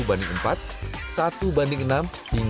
hingga satu x sembilan sudah ia miliki